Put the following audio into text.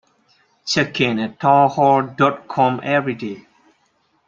Check in at Townhall dot com every day.